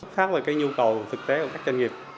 phát là cái nhu cầu thực tế của các doanh nghiệp